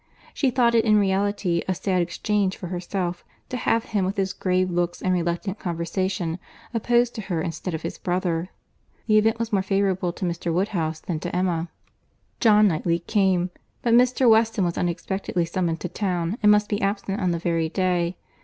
She thought it in reality a sad exchange for herself, to have him with his grave looks and reluctant conversation opposed to her instead of his brother. The event was more favourable to Mr. Woodhouse than to Emma. John Knightley came; but Mr. Weston was unexpectedly summoned to town and must be absent on the very day.